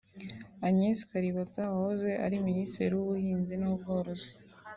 Agnes Kalibata wahoze ari Minisitiri w’Ubuhinzi n’Ubworozi